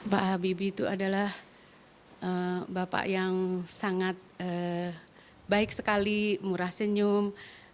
pak habibie itu adalah bapak yang sangat baik sekali murah senyum